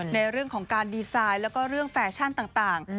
ในเรื่องของการดีไซน์แล้วก็เรื่องแฟชั่นต่าง